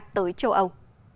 tới châu âu